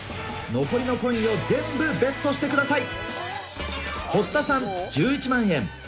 残りのコインを全部ベットしてください。